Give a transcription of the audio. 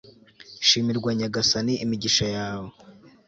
shimirwa nyagasani, imigisha yawe